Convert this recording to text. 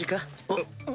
あっ。